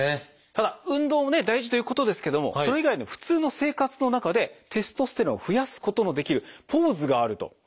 ただ運動もね大事ということですけどもそれ以外の普通の生活の中でテストステロンを増やすことのできるポーズがあると。